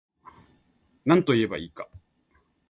なんといえば良いか